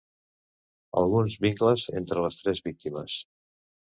Alguns vincles entre les tres víctimes.